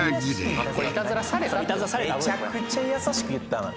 あとこれめちゃくちゃ優しく言ったな